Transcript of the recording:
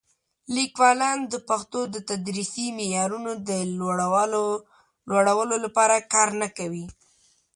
لیکوالان د پښتو د تدریسي معیارونو د لوړولو لپاره کار نه کوي.